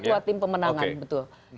ketua tim pemenangan betul